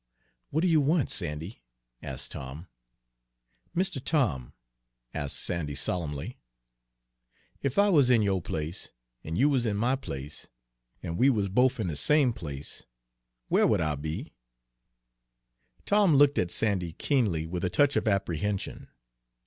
"What do you want, Sandy," asked Tom. "Mistuh Tom," asked Sandy solemnly, "ef I wuz in yo' place, an' you wuz in my place, an' we wuz bofe in de same place, whar would I be?" Tom looked at Sandy keenly, with a touch of apprehension.